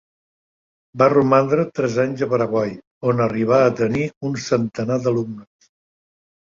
Va romandre tres anys a Paraguai on arribà a tenir un centenar d'alumnes.